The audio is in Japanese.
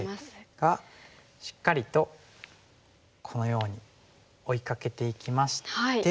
がしっかりとこのように追いかけていきまして。